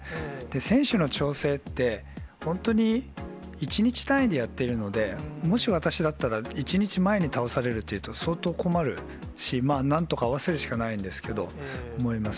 選手の調整って、本当に１日単位でやっているので、もし私だったら、１日前に倒されるというと、相当困るし、なんとか合わせるしかないんですけど、思います。